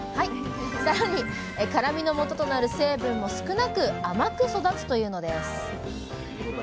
更に辛みのもととなる成分も少なく甘く育つというのです。